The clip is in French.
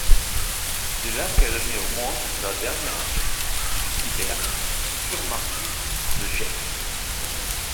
C'est là qu'elle met au monde sa dernière fille, Philiberte, future marquise de Gex.